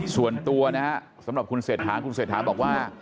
ส่วนตัวสำหรับคุณเศษฐานคุณเศษฐานบอกว่า